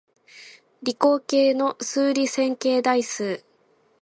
理工系の数理線形代数